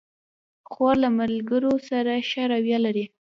خور له ملګرو سره ښه رویه لري.